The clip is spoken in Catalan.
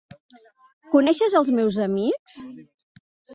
Coneixes els meus amics?